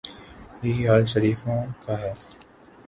یہی حال شریفوں کا ہے۔